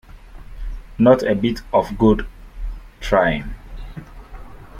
Not a bit of good trying.